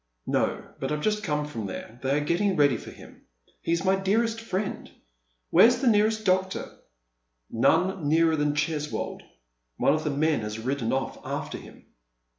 " No. but I've just come from there, they are getting ready for him. He's my dearest friend. "U'here's the nearest doctor?" ■' None nearer than Cheswold. One of the men has lidden off after him."